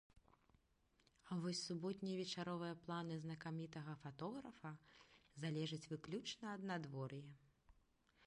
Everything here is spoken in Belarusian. А вось суботнія вечаровыя планы знакамітага фатографа залежаць выключна ад надвор'я.